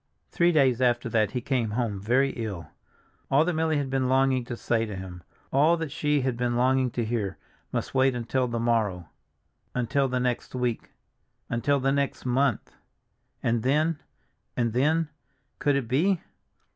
Three days after that he came home very ill. All that Milly had been longing to say to him, all that she had been longing to hear, must wait until the morrow—until the next week—until the next month; and then, and then, could it be?